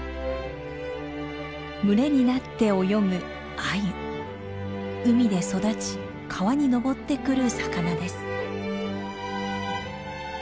群れになって泳ぐ海で育ち川に上ってくる魚です。